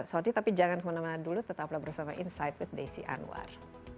sorry tapi jangan kemana mana dulu tetaplah bersama insight with desi anwar